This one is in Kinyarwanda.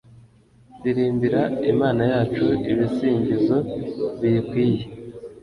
ndirimbira Imana yacu ibisingizo biyikwiye